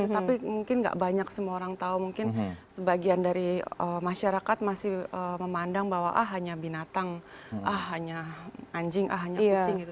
tapi mungkin gak banyak semua orang tahu mungkin sebagian dari masyarakat masih memandang bahwa ah hanya binatang ah hanya anjing ah hanya kucing gitu